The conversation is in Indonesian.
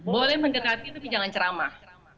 boleh mendekati tapi jangan ceramah